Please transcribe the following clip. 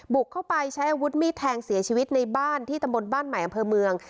บุกเข้าไปใช้อาวุธมีดแทงเสียชีวิตในบ้านที่ตำบลบ้านใหม่อำเภอเมือง